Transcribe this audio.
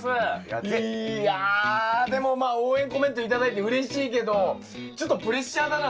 いやでもまあ応援コメント頂いてうれしいけどちょっとプレッシャーだな。